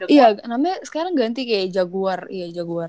iya namanya sekarang ganti kayak jaguar